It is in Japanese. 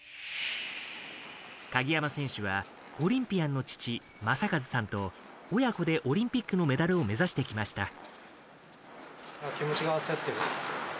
鍵山選手はオリンピアンの父、正和さんと親子でオリンピックのメダルを目指してきました。